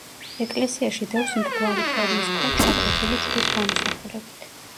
ეკლესიაში დევს მრგვალი ფორმის ქვა ჩაკვეთილი ჯვრის გამოსახულებით.